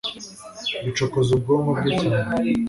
bicokoza ubwonko bwe cyane